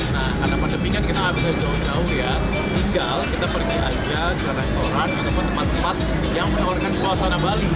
nah karena pandemi kan kita nggak bisa jauh jauh ya tinggal kita pergi aja ke restoran ataupun tempat tempat yang menawarkan suasana bali